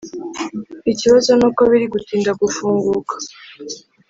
Ikibazo nuko biri gutinda gufunguka